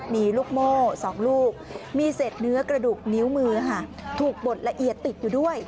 มีลูกโม่๒ลูกมีเศษเนื้อกระดูกนิ้วมือค่ะถูกบดละเอียดติดอยู่ด้วย